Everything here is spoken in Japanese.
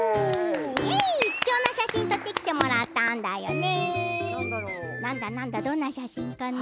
貴重な写真を撮ってきてもらったんだよね。